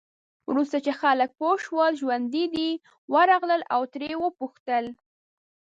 وروسته چې خلک پوه شول ژوندي دی، ورغلل او ترې یې وپوښتل.